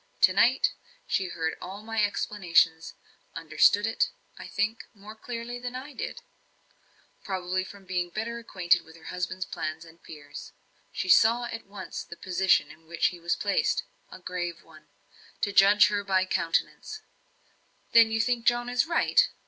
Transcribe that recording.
To night, she heard all my explanation; understood it, I think, more clearly than I did probably from being better acquainted with her husband's plans and fears. She saw at once the position in which he was placed; a grave one, to judge by her countenance. "Then you think John is right?"